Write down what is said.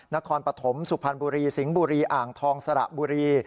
นครปฐมสุพรรณบุรีสิงห์บุรีอ่างทองสระบุรี